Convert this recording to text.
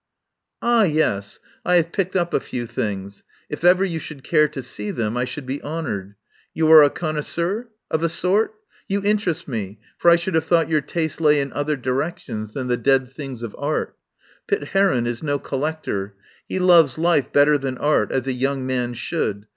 "Ah, yes, I have picked up a few things. If ever you should care to see them I should be honoured. You are a connoisseur? Of a sort? You interest me for I should have thought your taste lay in other directions than the dead things of art. Pitt Heron is no collector. He loves life better than art, as a young man should.